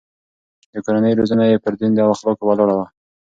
د کورنۍ روزنه يې پر دين او اخلاقو ولاړه وه.